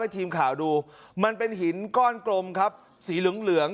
ทีมข่าวดูมันเป็นหินก้อนกลมครับสีเหลือง